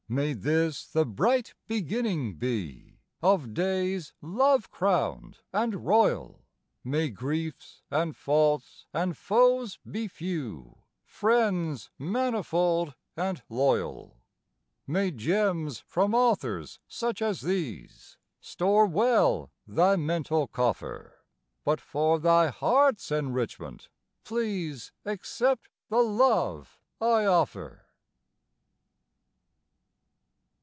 May this the bright beginning be Of days love crowned and royal; May griefs and faults and foes be few, Friends manifold and loyal. May gems from authors such as these Store well thy mental coffer, But for thy heart's enrichment please Accept the love I offer.